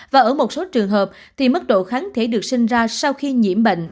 và ở một số trường hợp thì mức độ kháng thể được sinh ra sau khi nhiễm bệnh